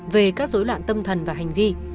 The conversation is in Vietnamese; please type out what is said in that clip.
về các dối loạn tâm thần và hành vi